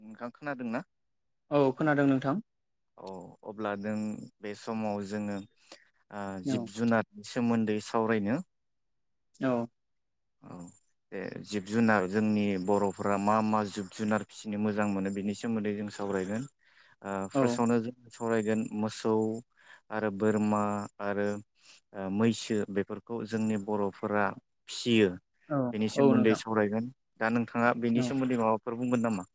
नोंथां खोनादोंना [inaudible] औ खोनादों नोंथां औ अब्ला नों बे समाव जोङो ओ औ जिब जुनार सोमोन्दै सावरायनो औ औ बे जिब जुनार जोंनि बर'फोरा मा मा जिब जुनार फिसिनो मोजां मोनो बेनि सोमोन्दै जों सावरायगोन आं औ फार्सआवनो जों सावरायगोन मोसौ आरो बोरमा आरो मैसो बेफोरखौ जोंनि बर'फोरा फिसियो औ बेनि औ सोमोन्दै नोंथां सावरायगोन दा नोंथां थाङा औ बेनि सोमोन्दै माबा फोर बुंगोन नामा?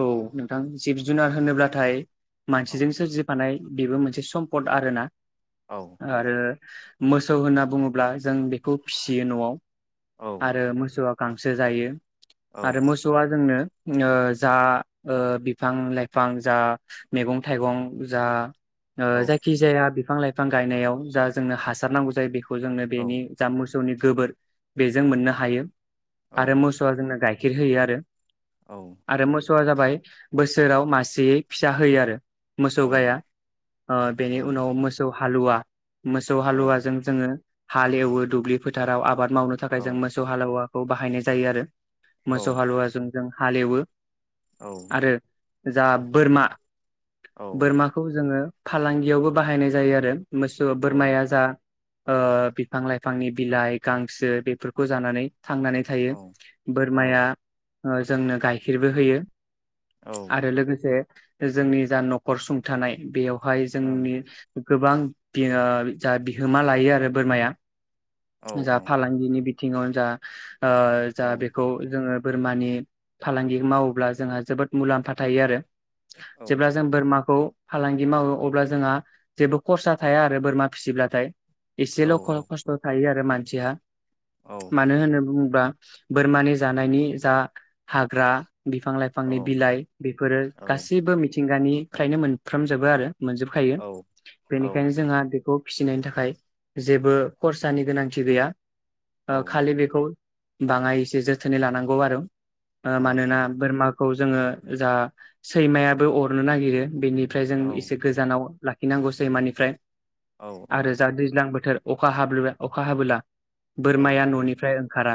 औ नोंथां जिब जुनार होनोब्लाथाय औ मानसिजों सोरजिफानाय बेबो मोनसे सम्पद आरोना औ औ आरो मोसौ होनना बुङोब्ला जों खौ फिसियो न'आव औ आरो मोसौआ गांसो सो जायो औ आरो मोसौआ जोंनो ओ जा ओ बिफां लाइफां जा मैगं थाइगं जा ओ औ जायखि जाया बिफां लाइफां गायनायाव जा जोंनो हासारनांगौ जायो बेखौ खौ जोंनो औ बेनि जामुस सौ नि गोबोर बेजों मोननो हायो‌। आरो औ मोसौआ जोंना गाय ्खेर होयो आरो औ। आरो मोसौआ जाबाय बोसोराव मासेयै फिसा होयो आरो। मोसौ औ गाया ओ औ बेनि उनाव मोसौ हालुवा मोसौ औ हालुवाजों जोङो हाल एवो दुब्लि फोथाराव आबाद मावनो औ थाखाय जों मोसौ हालौवा खौ बाहायनाय जायो आरो औ मोसौ हालौवाजों जों हालेवो। औ आरो जा बोरमा औ बोरमाखौ जोङो फालांगियावबो बाहायनाय जायो आरो। मोसौ औ बोरमाया जा ओ बिफां लाइफांनि बिलाइ गांसो बेफोरखौ जानानै थांनानै औ थायो बोरमाया ओ जोंनो गाय खिरबो होयो। आरो लोगोसे जोंनि जा न'खर सुंथानाय बेयाव हाय जोंनि गोबां बियो जा बिहोमा लायो आरो बोरमाया जा फालांगिनि बिथिङावनो जा ओ जा बेखौ जोङो बोरमानि फालांगि मावोब्ला जोंहा जोबोद मुलाम्फा थायो आरो। जेब्ला जों बोरमाखौ फालांगि मावो अब्ला जोंहा जेबो खरसा थाया आरो बोरमा फिसिब्लाथाय। एसेल' खस्थ' थायो। ओ मानसिहा मानो होनो बुं बा बोरमानि जानायनि जा हाग्रा बिफां लाइफांनि बिलाइ बेफोरो गासैबो मिथिं थिंगानिफ्रायनो मोनफ्रामजोबो आरो मोनजोबखायो बेनिखायनो जोंहा बेखौ फिसिनायनि थाखाय जेबो खरसानि गोनांथि गैया। ओ खालि बेखौ बाङाय एसे जोथोनै लानांगौ आरो ओ मानोना बोरमाख खौ जोङो जा सैमायाबो अरनो नागिरो। बेनिफ्राय जों एसे गोजानाव लाखिनांगौ सैमानिफ्राय औ औ आरो जा दैज्लां बोथ थोर अखा हाबल'बाय अखा हाबोला बोरमाया न'निफ्राय खारा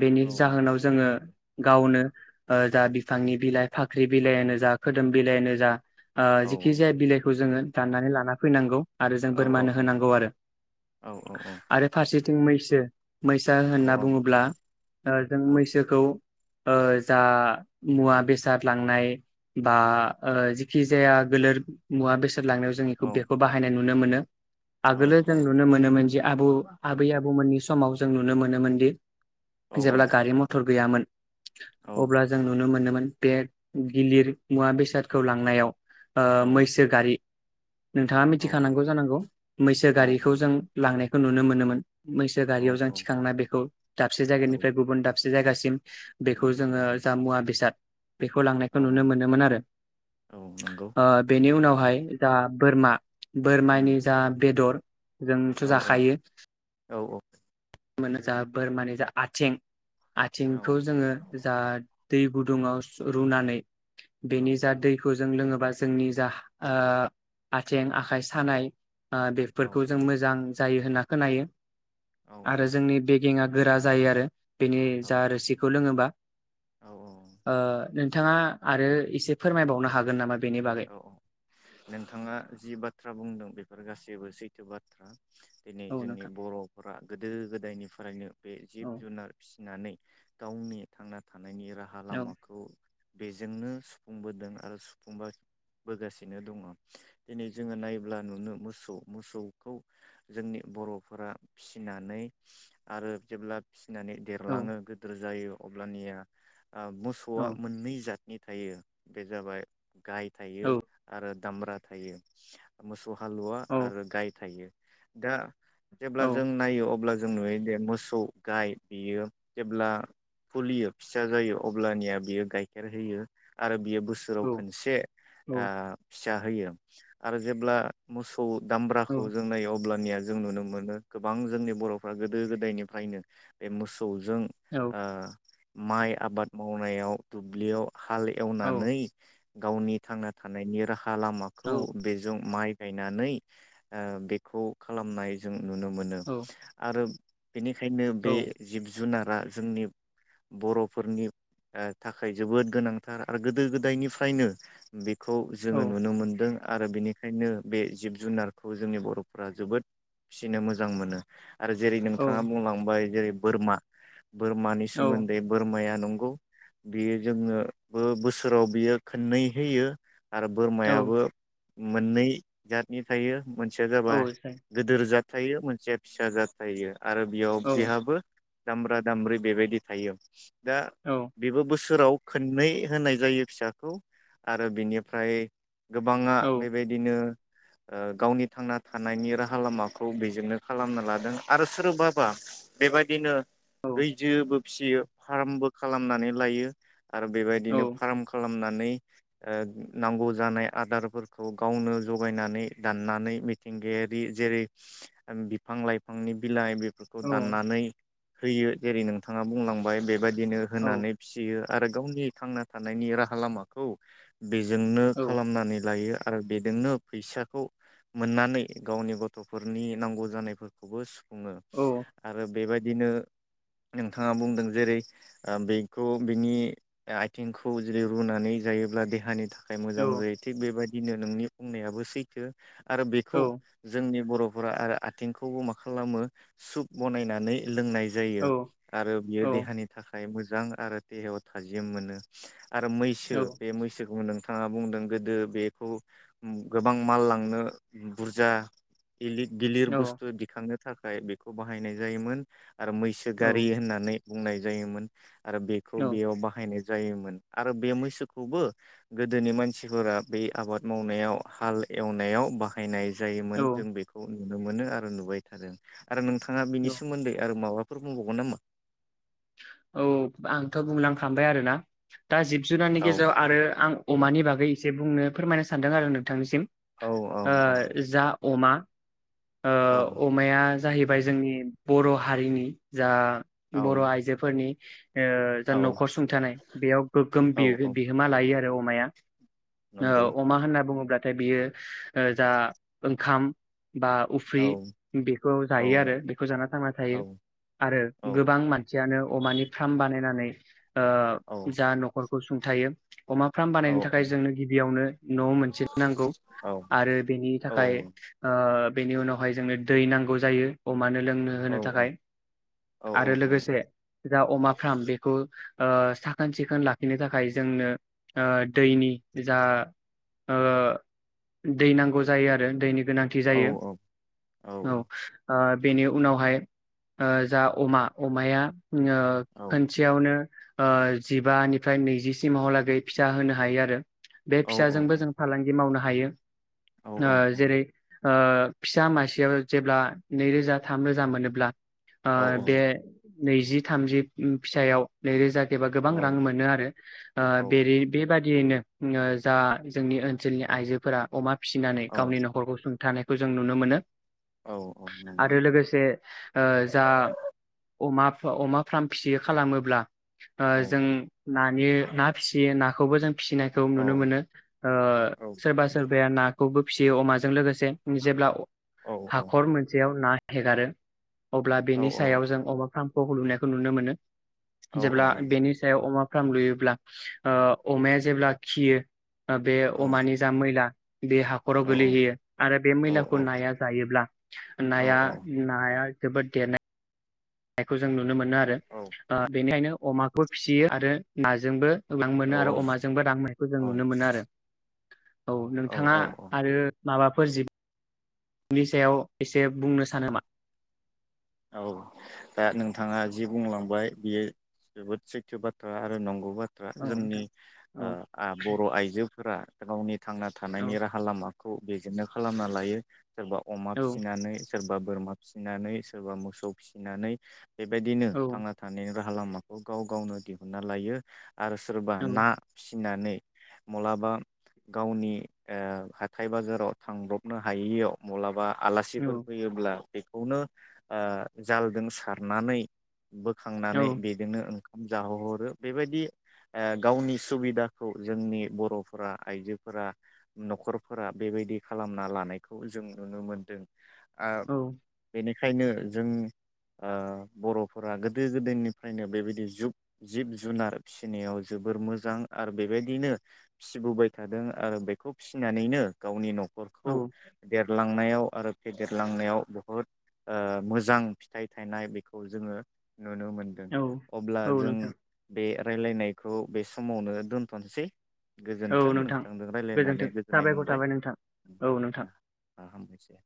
बेनि जाहोनाव जोङो गावनो ओ जा बिफांनि बिलाइ फाख्रि बिलाइयानो जा खोदोम बिलाइयानो जा ओ जिखि जाया बिलाइखौ जोङो दाननानै लाना फैनांगौ। आरो जों बोरमानो होनांगौ आरो आरो फारसे थिं मैसो मैसा होनना बुङोब्ला ओ जों मैसोखौ ओ जा मुवा बेसाद लांनाय बा ओ जिखि जाया गोलोर मुवा बेसाद थोर लांनायाव जोंनिखौ बेखौ बाहायनाय नु नो मोनो। आगोलो जों नुनो मोनोमोन जे आबौ आबै आबौमोननि समाव जों नुनो मोनोमोन दि जेब्ला गारि मथर गैयामोन। अब्ला जों नुनो मोनोमोन। उम बे गिलिर मुवा बेसादखौ लांनायाव ओ मैसो गारि नोंथाङा मिथिखानांगौ जानांगौ मैसो गारिखौ जों लांनाय खौ नुनो मोनोमोन, मैसो गारियाव जों थिखांना बेखौ दाबसे जायगानिफ्राय गुबुन दाबसे, जायगासिम [unintelligible] बेखौ जोङो जामुवा बेसाद बेखौ लांनायखौ नुनो मोनोमोन आरो औ नंगौ ओ बेनि उनावहाय, दा बोरमा बोरमानि उम जा बेदर, जोंथ' औ औ जाखायो औ मोन जा बोरमानि जा आथिं आथिं औ खौ जोङो जा दै गुदुङाव सु रुनानै औ बेनि जा दैखौ, जों लोङोबा जोंनि जा ओ आथिं आखाइ सानाय, औ बेफोरखौ जों मोजां जायो होनना खोनायो, औ आरो जोंनि बे थिंआ गोरा जायो आरो बेनि औ जा आरो खौ लोङोबा औ ओ, नोंथाङा आरो एसे फोरमायबावनो हागोन नामा? बेनि बागै औ औ नोंथाङा जि बाथ्रा बुंदों बेफोर गासैबो सैथो, सैथो बाथ्रा दिनै औ जोंनि नोंथां बर'फोरा गोदो गोदायनिफ्रायनो बे जिब औ जुनार फिसिनानै, गावनि थांना था थानायनायनि राहा औ लामाखौ, बेजोंनो सुफुंबोदों आरो सुफुंबा, बोगासिनो दङ दिनै जोङो नायब्ला नुनो मोसौ मोसौखौ जोंनि बर'फोरा फिसिनानै आरो जेब्ला फिनानै औ देरलाङो गिदिर जायो, अब्लानिया, मोसौआ मोननै जादनि थायो बे जाबाय गाइड, औ थायो आरो दामब्रा थायो मोसौ हालुवा आरो गाय थायो दा औ जेब्ला जों नायो अब्ला जों नुयो मोसौ गाय बियो जेब्ला फुलियो फिसा जायो अब्लानिया बियो गाइखेर होयो आरो बियो बोसोराव खोनसे औ आ फिसा होयो आरो जेब्ला मो सौ दामब्राखौ जों नायो अब्लानिया जों नुनो मोनो गोबां जोंनि बर'फ्रा गोदो गोदायनिफ्रायनो बे मो सौ जों औ माइ आबाद मावनायाव दुब्लियाव हाल औ एवनानै गावनि थांना थानायनि राहा औ हालामाखौ बेजों माइ गायनानै ओ बेखौ खालामनाय जों नुनो मोनो औ आरो बेनिखायनो बे जिब जुनार आ जोंनि बर'फोरनि थाखाय जोबोद गोनांथार आरो गोदो गोदायनिफ्रायनो बि खौ औ जोङो नुनो मोनदों आरो बेनिखायनो बे जिब जुनारखौ जोंनि बर'फ्रा जोबोद फिसिनो मोजां मोनो आरो जेरै औ नोंथाङा बुंलांबाय जेरै बोरमा बोरमानि सोमोन्दै बोरमाया न नंगौ बियो जोंनोबो बोसोराव बियो खोननै होयो आरो औ बोरमायाबो मोननै जातनि थायो मोनसेया जाबा गोदोर जात थायो मोनसेया फिसा जात थायो आरो बेयाव बेहाबो दामब्रा दामब्रि बेबायदि थायो दा बेबो बोसोराव खोननै होनाय जायो फिसाखौ आरो बिनिफ्राय गोबाङा बेबायदिनो गावनि थांना थानायनि राहा लामाखौ बेजोंनो खालामना लादों आरो सोरबाबा बेबायदिनो बेैजो फियो फार्मबो खालामनानै लायो। आरो बेबायदिनो फार्म खालामनानै नांगौ जानाय आदारफोरखौ गावनो जगायनानै दाननानै मिथिंगायारि जेरै बिफां लाइफांनि बिलाइ फोरखौ औ दाननानै होयो जेरै नोंथाङा बुंलांबाय बे बेबायदिनो औ होनानै फिसियो आरो गावनि थांना थानायनि राहा लामाखौ बेजोंनो औ खालामनानै लायो आरो बेजोंनो फैसाखौ मोननानै गावनि गथ'फोरनि नांगौ जानायफोरखौबो सुफुंओ। बुङो औ आरो बेबायदि बिदिनो नोंथाङा बुंदों जेरै बेखौ बिनि आथिंखौ जेरै रुनानै जायो अब्ला देहानि थाखाय थाखाय औ मोजां जायो थिग बेबायाददि बिदिननो नोंनि बुंनायाबो सैथो आरो औ बेखौ जोंनि बर' आरो आथिंखौबो मा खालामो सुप बनायनानै लोंनाय जायो आरो औ बियो देहानि थाखाय मोजां। जां आरो देहायाव थाजिम मोनो। आरो औ मैसो मैसोखौ नोंथाङा बुंदों गोदो बेखौ गोबां माल लांनो बुरजा गिलिद गिलिर औ बुस्थु दिखांनो थाखाय बेखौ बाहायनाय जायोमोन। आरो मैसो गारि होननानै बुंनाय जायोमोन। आरो बेखौ औ बेयाव बाहायनाय जायोमोन आरो बे मैसो खौबो गोदोनि मानसिफोरा बे आबाद मावनायाव हाल एवनायाव बाहायनाय जायोमोन जों बेखौ नुनो मोनो आरो नुबाय थादों आरो नोंथां ङा औ बिनि सोमोन्दै आरो माबा फोर बुंबावगोन नामा? औ आंथ' बुंलांखांबाय आरोना। दा जिब जुनारनि औ गेजेराव आरो आं अमानि बागै एसे बुंनो फोरमायनो सानदों आरो नोंथांनिसिम। औ औ ओ औ जा अमा औ ओ अमाया जाहैबाय जोंनि बर' हारिनि जा औ बर' आय फोरनि ओ जा औ न'खर सुंथानाय बेयाव गोग्गोम औ औ बिहो-बिहोमा लायो आरो बे अमाया नंगौ औ अमा होनना बुङोब्ला थाय बियो ओ जा ओंखाम बा उफ्रि औ बेखौ औ जायो आरो बेखौ जाना थांना औ थायो आरो औ गोबां मान सियानो अमानि फ्राम बानायनानै औ ओ जा न'खर सुंथायो अमा फ्राम बानायनो थाखाय औ जोंनो गिबियावनो न' मोनसे नांगौ आरो बेनि थाखाय औ ओ बेनि उनावहाय जोंनो दै नांगौ जायो अमानो लोंनो होनो औ औ थाखाय औ औ आरो औ लोगोसे जा अमा फार्म बेखौ ओ साखोन सिखोन लाखिनो थाखाय जोंनो ओ दैनि जा ओ दै नांगौ जायो आरो दैनि गोनांथि औ जायो। औ ओ बेनि उनावहाय ओ जा अमा अमाया ओ औ खोनसेयावनो ओ जिबानिफ्राय नैजिसिमहाहालागै फिसा होनो हायो आरो। बे औ फिसाजोंबो जों फालांगि मावनो हा हायो ओ जेरै ओ फिसा मासेयाव जेब्ला नैरोजा थाम रोजा मोनोब्ला आ बे नैजि थामजि फिसायाव नैरोजा गोबां रां मोनो आरो [unintelligible] बेबादि दियैनो जा जोंनि ओनसोलनि आइजोफोरा अमा फिसिनानै औ गावनि न'खरखौ सुंथानाय खौ जों नुनो मोनो। औ औ नंगौ आरो लोगोसे जा अमा अमा फ्राम फिसियो खालामोब्ला औ जों नानि ना फिसियो नाखौबो जों फिसिनायखौ औ नुनो मोनो औ सोरबा सोरबाया नाखौबो फिसियो अमाजों लोगोसे जेब्ला औ हाखर मोनसेयाव ना हेगारो अब्ला औ बेनि सायाव जों अमा [unintelligible] लुनायखौ नुनो मोनो औ जेब्ला औ बेनि सायाव अमा फार्म लुयोब्ला अमाया जेब्ला खियो बे अमानि जा मैला बे हाखराव औ गोलैहैयो आरो बे मैलाखौ नाया जायोब्ला नाया नाया जोबोद देरनाय खौ जों नुनो मोनो आरो बेनिखायनो अमा खौ फिसियो आरो नाजोंबो रां मोनो आरो अमाजोंबो रां मोननायखौ जों नुनो मोनो आरो। औ नोंथाङा औ औ आरो माबाफोर जि बनि सायाव एसे बुंनो सानो मा? औ दा नोंथाङा जि बुंलांबाय बियो जोबोद सैथो बाथ्रा आरो नंगौ बाथ्रा। औ जोंनि नोंथां ओ औ आ बर' आइजो फोरा गावनि थांना थानायनि औ राहा लामा खौ बेेजेनो खालामना लायो। सोरबा अमा फिसिनानै सोरबा बोरमा फिसिनानै सोरबा मोसौ फिसिनानै बेबायदिनो औ थांना थानायनि राहा हा लामाखौ गाव गावनो दिहुनना लायो। आरो सोरबा औ ना फिस नानै मलाबा गावनि ओ हाथाय बाजाराव थांब्रबनो हायियाव मलाबा आलासिफोर फैयोब्ला बेखौनो ओ जालजों सारनानै औ बोखांनानै बेजोंनो ओंख जाहो हरो बे बायदि ओ गावनि सुबिदाखौ जोंनि बर'फोरा आइजोफोरा न'खरफोरा बे बायदि खालामना लानायखौ जों नुनो मोनदों। आ बेनिखाय खायनो जों ओ बर'फोरा गोदो गोदायनिफ्रायनो बे बायदि जुग जिब जुनार फिसिनायाव जोबोर मोजां आरो बे बायदिनो फिबोबाय थादों। आरो बेखौ फिसिनानैनो गावनि न'ख खरखौ औ औ देरलां थांनायाव आरो फेदेरलांनायाव बुहुद ओ मोजां फिथाइ थायनाय बेखौ जोङो नुनो मोनदों। अब्ला औ औ जों नोंथां बे रायलायनायखौ बे समावनो दोनथ'सै। औ गोजोन्थों नोंथां नोंथांदो रायलायनानै गोजोन्थों गोजोननाय साबायखर मोनबाय। थाबाय नोंथां औ नोंथां आ आ हामबायसेै।